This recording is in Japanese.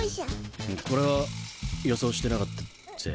これは予想してなかったぜ。